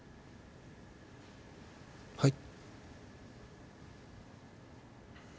はい。